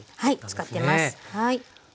はい使ってます。